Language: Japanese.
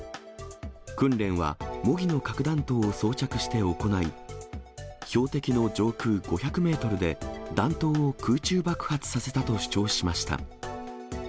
訓練は、模擬の核弾頭を装着して行い、標的の上空５００メートルで、弾頭を空中爆発させたと主張しました。